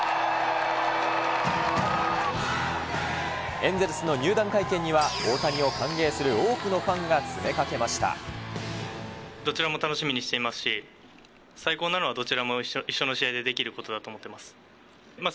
エンゼルスの入団会見には大谷を歓迎する多くのファンが詰めかけどちらも楽しみにしていますし、最高なのは、どちらも一緒の試合でできることだと思ってます。